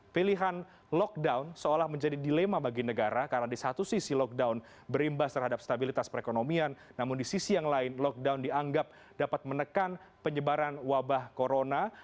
pilihan lockdown seolah menjadi dilema bagi negara karena di satu sisi lockdown berimbas terhadap stabilitas perekonomian namun di sisi yang lain lockdown dianggap dapat menekan penyebaran wabah corona